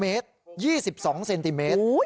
เมตร๒๒เซนติเมตร